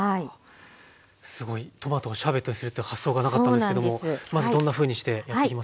すごいトマトをシャーベットにするという発想がなかったんですけどもまずどんなふうにしてやっていきますか？